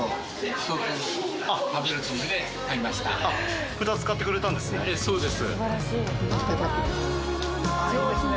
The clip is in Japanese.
２つ買ってくれたんですね。